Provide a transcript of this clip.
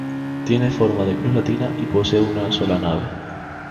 Tiene forma de cruz latina y posee una sola nave.